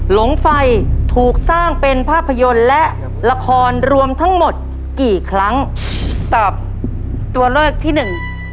หลงไฟถูกสร้างเป็นภาพยนตร์และละครรวมทั้งหมดกี่ครั้งตอบตัวเลือกที่หนึ่ง